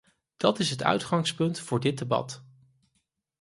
Dat is het uitgangspunt voor dit debat.